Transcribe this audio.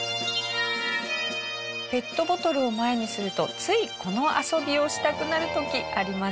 ペットボトルを前にするとついこの遊びをしたくなる時ありませんか？